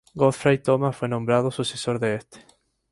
Godfrey Thoma fue nombrado sucesor de este.